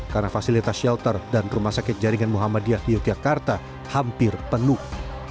karena fasilitas shelter dan rumah sakit jaringan muhammadiyah yogyakarta hampir penuh